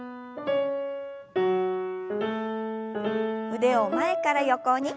腕を前から横に。